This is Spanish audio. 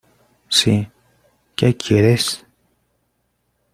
¡ sí!... ¿ qué quieres?